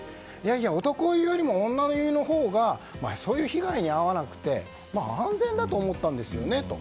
男湯よりも女湯のほうがそういう被害に遭わなくて安全だと思ったんですよねと。